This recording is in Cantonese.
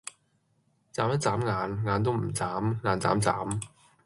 䁪一䁪眼，眼都唔䁪，眼䁪䁪